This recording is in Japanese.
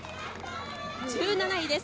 １７位です。